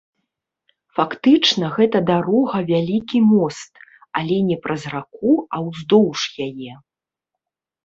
Фактычна гэта дарога вялікі мост, але не праз раку а ўздоўж яе.